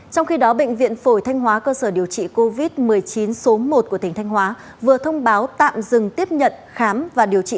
trong khi đó bệnh viện phổi thanh hóa cơ sở điều trị covid một mươi chín số một của tỉnh thanh hóa vừa thông báo tạm dừng tiếp nhận khám và điều trị